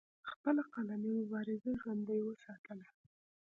خپله قلمي مبارزه ژوندۍ اوساتله